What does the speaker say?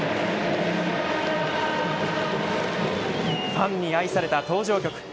ファンに愛された登場曲